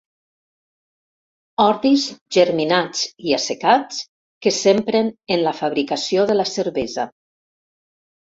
Ordis germinats i assecats que s'empren en la fabricació de la cervesa.